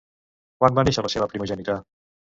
Quan va néixer la seva primogènita?